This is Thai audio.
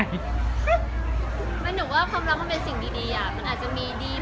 ไม่หนูว่าความรักมันเป็นสิ่งดีอ่ะ